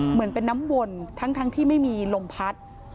เหมือนเป็นน้ำวนทั้งที่ไม่มีลมพัด